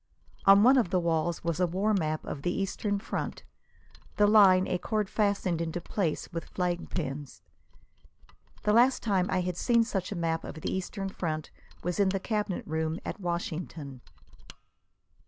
On one of the walls was a war map of the Eastern front, the line a cord fastened into place with flag pins. The last time I had seen such a map of the Eastern front was in the Cabinet Room at Washington.